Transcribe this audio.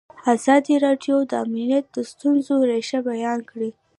ازادي راډیو د امنیت د ستونزو رېښه بیان کړې.